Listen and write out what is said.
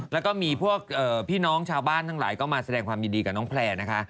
แล้วก็มีพวกพี่น้องชาวบ้านทั้งหลายก็มาแสดงความยินดีกับน้องแพลร์นะคะ